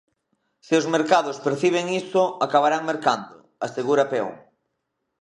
Se os mercados perciben iso, acabarán mercando, asegura Peón.